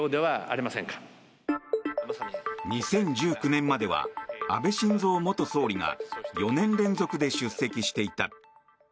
２０１９年までは安倍晋三元総理が４年連続で出席していた。